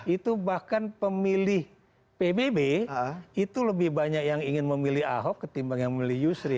itu bahkan pemilih pbb itu lebih banyak yang ingin memilih ahok ketimbang yang memilih yusri